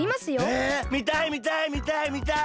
えみたいみたいみたいみたい！